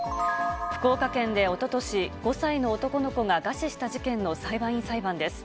福岡県でおととし、５歳の男の子が餓死した事件の裁判員裁判です。